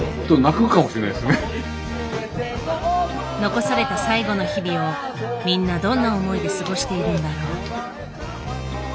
残された最後の日々をみんなどんな思いで過ごしているんだろう？